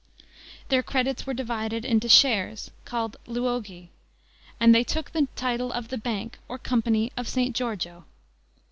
Their credits were divided into shares, called Luoghi, and they took the title of the Bank, or Company of St. Giorgio.